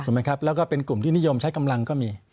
ไหมครับแล้วก็เป็นกลุ่มที่นิยมใช้กำลังก็มี